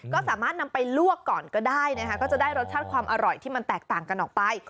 ก็สามารถนำไปลวกก่อนก็ได้นะคะก็จะได้รสชาติความอร่อยที่มันแตกต่างกันออกไป